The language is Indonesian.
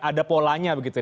ada polanya begitu ya